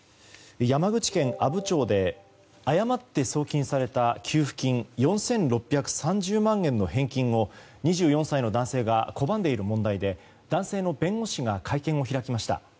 山口県阿武町で誤って送金された給付金４６３０万円の返金を２４歳の男性が拒んでいる問題で男性の弁護士が会見を開きました。